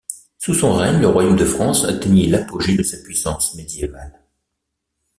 Sous son règne, le royaume de France atteignit l'apogée de sa puissance médiévale.